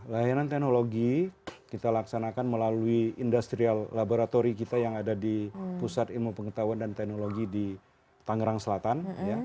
layanan teknologi kita laksanakan melalui industrial laboratory kita yang ada di pusat ilmu pengetahuan dan teknologi di tangerang selatan